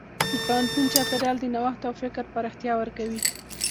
د پوهنتون چاپېریال د نوښت او فکر پراختیا ورکوي.